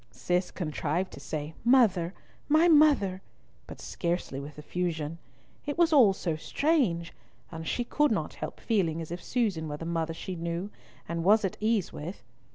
Cis contrived to say "Mother, my mother," but scarcely with effusion. It was all so strange, and she could not help feeling as if Susan were the mother she knew and was at ease with.